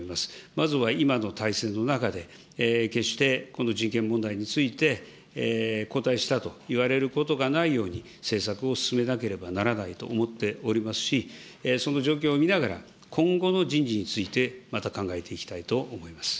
まずは今の体制の中で、決してこの人権問題について後退したと言われることがないように、政策を進めなければならないと思っておりますし、その状況を見ながら、今後の人事について、また考えていきたいと思います。